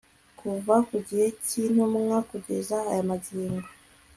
kuva ku gihe cy'intumwa kugeza aya magingo